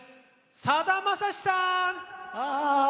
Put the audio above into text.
さだまさしさん！